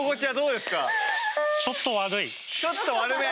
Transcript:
ちょっと悪め。